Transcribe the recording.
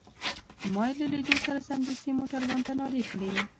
ما يې له لیدو سره سمدستي موټروان ته نارې کړې.